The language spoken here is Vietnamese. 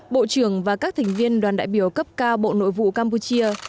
bộ trưởng và các thành viên đoàn đại biểu cấp cao bộ nội vụ campuchia